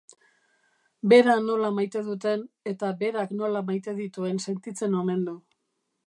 Bera nola maite duten, eta berak nola maite dituen sentitzen omen du.